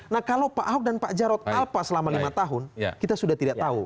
nah kalau pak ahok dan pak jarod apa selama lima tahun kita sudah tidak tahu